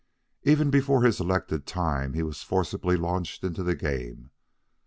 Even before his elected time, he was forcibly launched into the game.